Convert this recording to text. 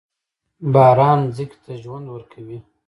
باران ځمکې ته ژوند ورکوي.